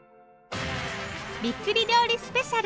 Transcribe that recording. びっくり料理スペシャル。